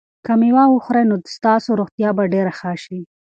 که مېوه وخورئ نو ستاسو روغتیا به ډېره ښه شي.